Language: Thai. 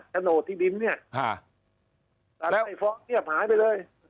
กระโนดที่ดินเนี่ยแต่ในฟ้องเยี่ยมหายไปเลย